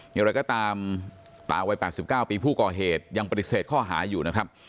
อย่างไรก็ตามตาวัย๘๙ปีผู้ก่อเหตุยังปฏิเสธข้อหาอยู่นะครับ